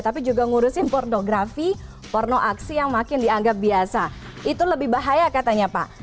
tapi juga ngurusin pornografi porno aksi yang makin dianggap biasa itu lebih bahaya katanya pak